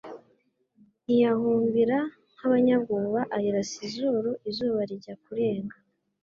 Ntiyahumbira nk' abanyabwobaAyirasa izuru izuba rijya kurenga